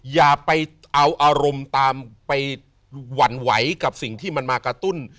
อย่าไปเอาอารมณ์ตามไปหวั่นไหวกับสิ่งที่มันมากระตุ้น